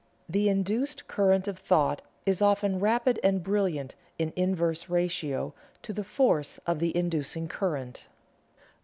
The induced current of thought is often rapid and brilliant in inverse ratio to the force of the inducing current."